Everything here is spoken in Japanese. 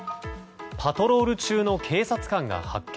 パトロール中の警察官が発見。